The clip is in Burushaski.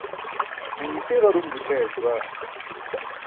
hunṭi ġar-um gućhayas baa